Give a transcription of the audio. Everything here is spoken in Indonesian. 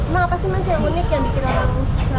emang apa sih yang unik yang dikira